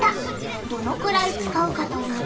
どのくらい使うかというと。